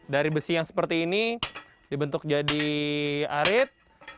dari besi yang seperti ini dibentuk jadi arit